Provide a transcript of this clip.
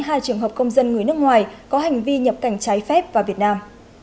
hai trường hợp công dân người nước ngoài có hành vi nhập cảnh trái phép vào việt nam